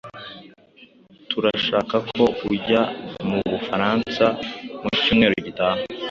Turashaka ko ujya mufuransa mu cyumweru gitaha.